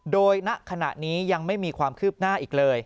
โดยณขณะนี้ยังไม่มีความคืบหน้าอีกเลย